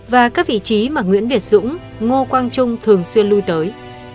và các vị trí mà nguyễn việt dũng ngo quang trung thường xuyên lưu tới